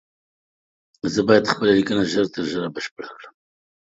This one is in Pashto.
زه بايد خپله ليکنه ژر تر ژره بشپړه کړم